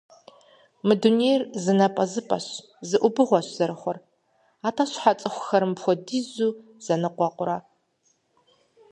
Мы дунейр зы напӏэзыпӏэщ, зы ӏубыгъуэщ зэрыхъур, атӏэ, щхьэ цӏыхуцӏыкӏур мыпхуэдизу зэныкъуэкъурэ?